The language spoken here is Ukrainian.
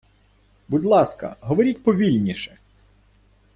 Будь ласка, говоріть повільніше.